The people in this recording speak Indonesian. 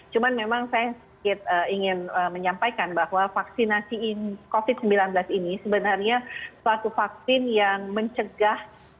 cuma memang saya sedikit ingin menyampaikan bahwa vaksinasi covid sembilan belas ini sebenarnya suatu vaksin yang mencegah